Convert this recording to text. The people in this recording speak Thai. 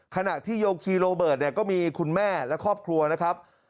ขณะที่โยคีโรเบิร์ตเนี่ยก็มีคุณแม่และครอบครัวนะครับ